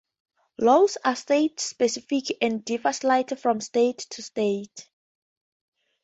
Laws are state-specific and differ slightly from state to state.